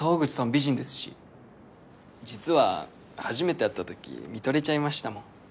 美人ですし実は初めて会った時見とれちゃいましたもん